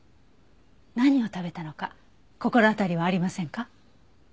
何を食べたのか心当たりはありませんか？